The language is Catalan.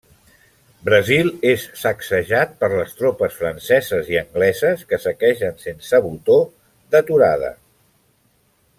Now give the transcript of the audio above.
Brasil és sacsejat per les tropes franceses i angleses que saquegen sense botó d'aturada.